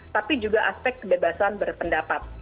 tapi juga aspek kebebasan berpendapat